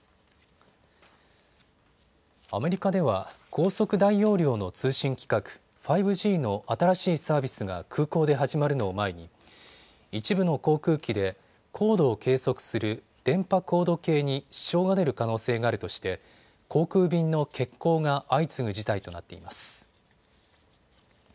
アメリカでは高速・大容量の通信規格、５Ｇの新しいサービスが空港で始まるのを前に一部の航空機で高度を計測する電波高度計に支障が出る可能性があるとして航空便の欠航が相次ぐ事態となっています。